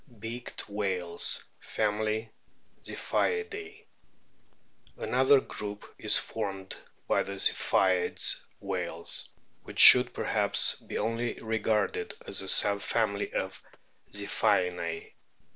BEAKED WHALES FAMILY, ZIPH1IDAE ANOTHER group is formed by the Ziphioid A\. whales, which should perhaps be only regarded as a sub family Ziphiinae.